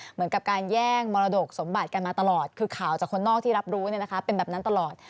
เหมือนกับการแย่งมรดกสมบัติกันมาตลอดคือข่าวจากคนนอกที่รับรู้เป็นแบบนั้นตลอด